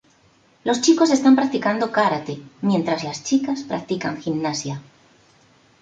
Los chicos están practicando karate, mientras las chicas practican gimnasia.